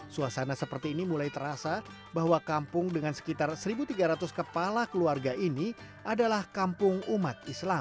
suasana seperti ini mulai terasa bahwa kampung dengan sekitar satu tiga ratus kepala keluarga ini adalah kampung umat islam